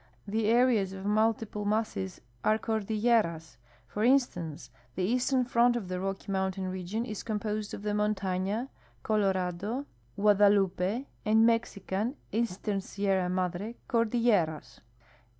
The areas of multiple masses are cordilleras. For instance, the eastern front of the Rocky mountain region is composed of the IMontaiia, Colo rado, Guadalupe, and Mexican (eastern Sierra Madre) cordilleras.